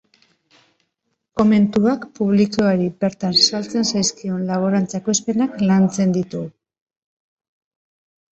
Komentuak publikoari bertan saltzen zaizkion laborantza ekoizpenak lantzen ditu.